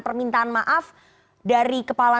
permintaan maaf dari kepala